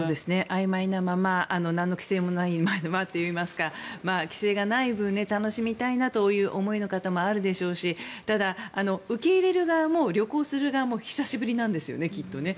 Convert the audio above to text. あいまいなままなんの規制もないままといいますか規制がない分楽しみたいなという思いの方もあるでしょうしただ、受け入れる側も旅行する側も久しぶりなんですよねきっとね。